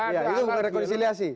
ya itu bukan rekonsiliasi